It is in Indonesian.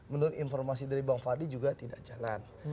menurut informasi dari bang fadli juga tidak jalan